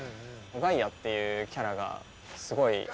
ガイアっていうキャラがすごい